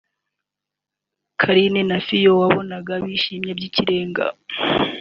Carine na Fio wabonaga bishimye by’ikirenga